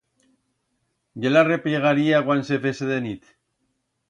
Ya la repllegaría cuan se fese de nit.